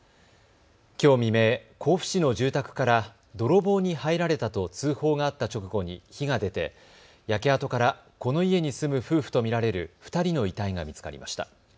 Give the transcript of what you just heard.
きょう未明、甲府市の住宅から泥棒に入られたと通報があった直後に火が出て焼け跡からこの家に住む夫婦と見られる２人の遺体が見つかりました。